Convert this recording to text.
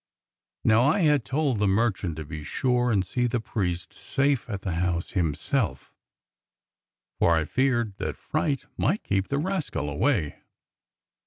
Now" I had told the merchant to be sure and see the priest safe at the house himself, for I feared that fright might keep the rascal away.